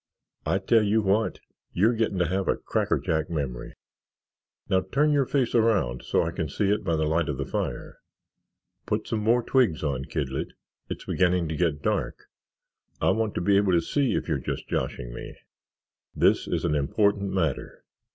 "I tell you what—you're getting to have a crackerjack memory. "Now turn your face around there so I can see it by the light of the fire. Put some more twigs on, kidlet, it's beginning to get dark. I want to be able to see if you're just joshing me. This is an important matter.